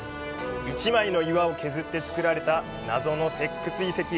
１枚の岩を削ってつくられた謎の石窟遺跡。